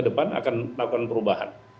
depan akan melakukan perubahan